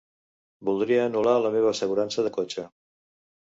Voldria anul·lar la meva assegurança de cotxe.